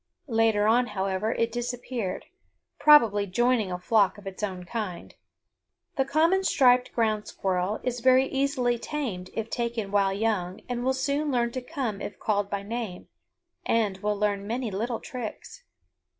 Later on, however, it disappeared, probably joining a flock of its own kind. The common striped ground squirrel is very easily tamed if taken while young and will soon learn to come if called by name, and will learn many little tricks.